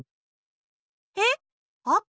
えっあか？